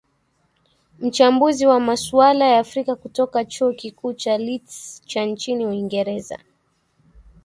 mchambuzi wa masuala ya afrika kutoka chuo kikuu cha litz cha nchini uingereza